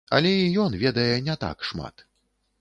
Але і ён ведае не так шмат.